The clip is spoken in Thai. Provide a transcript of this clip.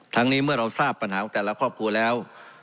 นี้เมื่อเราทราบปัญหาของแต่ละครอบครัวแล้ว